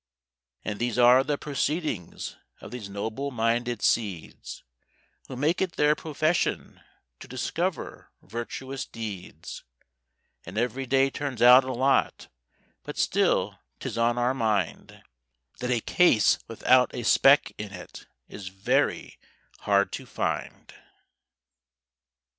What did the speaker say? And these are the proceedings of these noble minded seeds, Who make it their profession to discover virtuous deeds; And every day turns out a lot, but still 'tis on our mind That a case without a speck in it is very hard to find.